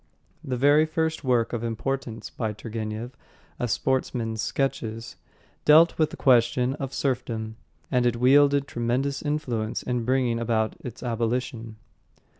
The very first work of importance by Turgenev, A Sportsman's Sketches, dealt with the question of serfdom, and it wielded tremendous influence in bringing about its abolition.